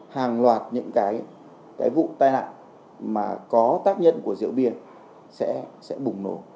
hàng loạt những cái vụ tai nạn mà có tác nhân của rượu bia sẽ bùng nổ